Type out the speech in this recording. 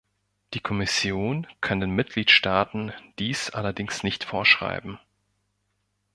Die Kommission kann den Mitgliedstaaten dies allerdings nicht vorschreiben.